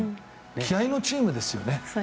気合のチームですよね。